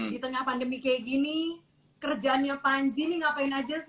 di tengah pandemi kayak gini kerjaannya panji nih ngapain aja sih